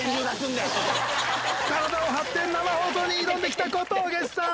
体を張って生放送に挑んで来た小峠さん。